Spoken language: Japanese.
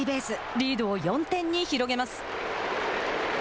リードを４点に広げます。